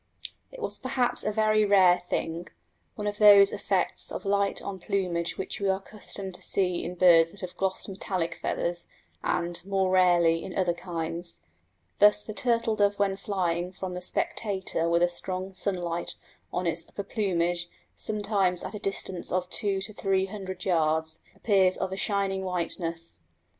It was perhaps a very rare thing one of those effects of light on plumage which we are accustomed to see in birds that have glossed metallic feathers, and, more rarely, in other kinds. Thus the turtle dove when flying from the spectator with a strong sunlight on its upper plumage, sometimes at a distance of two to three hundred yards, appears of a shining whiteness.